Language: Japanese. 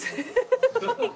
ハハハ。